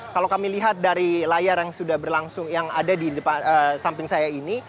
kalau kami lihat dari layar yang sudah berlangsung yang ada di samping saya ini